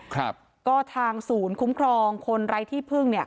ครับก็ทางศูนย์คุ้มครองคนไร้ที่พึ่งเนี่ย